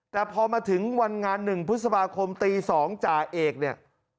แต่พอมาถึงวันงาน๑พฤษภาคมตี๒จ่าเอกเนี่ย